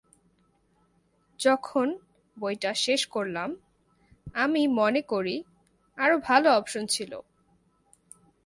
যখন বইটা শেষ করলাম, আমি মনে করি, আরো ভাল অপশন ছিল।